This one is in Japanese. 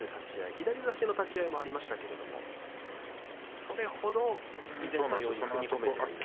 左差しもありましたけれどそれほど以前のように踏み込めていませんね。